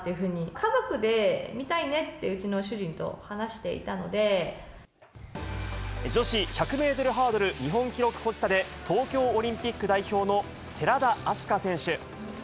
家族で見たいねって、女子１００メートルハードル日本記録保持者で、東京オリンピック代表の寺田明日香選手。